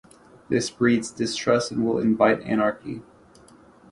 This breeds distrust and will invite anarchy.